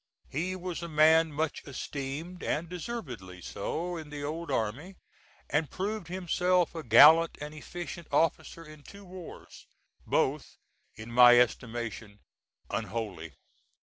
He was a man much esteemed, and deservedly so, in the old army, and proved himself a gallant and efficient officer in two wars both in my estimation unholy.